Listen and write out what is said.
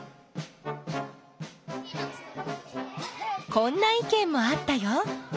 こんないけんもあったよ。